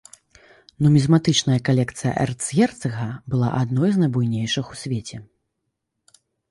Нумізматычная калекцыя эрцгерцага была адной з найбуйнейшых у свеце.